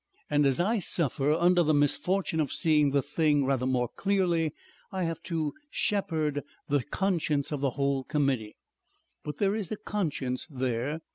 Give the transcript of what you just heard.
And as I suffer under the misfortune of seeing the thing rather more clearly, I have to shepherd the conscience of the whole Committee.... But there is a conscience there.